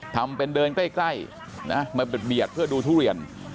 ทำเป็นเดินใกล้นะมาเบียดเพื่อดูทุเรียน